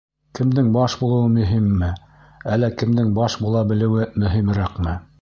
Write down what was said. Кемдең баш булыуы мөһимме, әллә кемдең баш була белеүе мөһимерәкме?